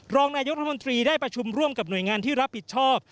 รองนายกรัฐมนตรีได้ประชุมร่วมกับหน่วยงานที่รับผิดชอบ